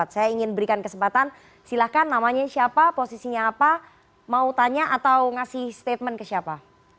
saya ingin berikan kesempatan silahkan namanya siapa posisinya apa mau tanya atau ngasih statement ke siapa